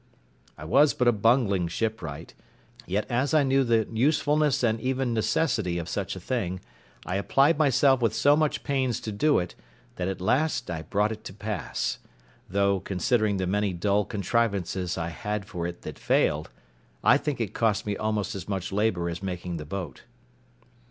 I was but a bungling shipwright, yet as I knew the usefulness and even necessity of such a thing, I applied myself with so much pains to do it, that at last I brought it to pass; though, considering the many dull contrivances I had for it that failed, I think it cost me almost as much labour as making the boat.